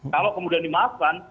kalau kemudian dimaafkan